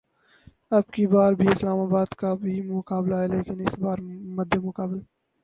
اب کی بار بھی اسلام آباد کا ہی مقابلہ ہے لیکن اس بار مدمقابل